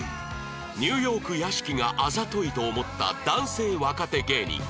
ニューヨーク屋敷があざといと思った男性若手芸人